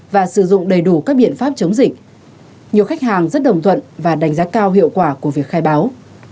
và đánh giá cao hiệu quả của việc khai báo